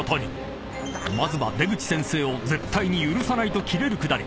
［まずは出口先生を絶対に許さないとキレるくだり］